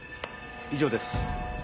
以上です。